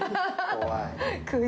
怖い。